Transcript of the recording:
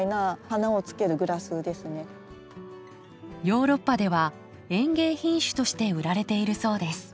ヨーロッパでは園芸品種として売られているそうです。